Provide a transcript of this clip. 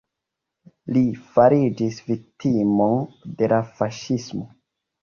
Li fariĝis viktimo de la faŝismo.